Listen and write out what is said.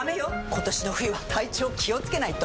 今年の冬は体調気をつけないと！